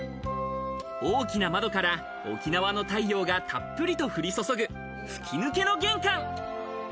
大きな窓から沖縄の太陽がたっぷりと降り注ぐ、吹き抜けの玄関。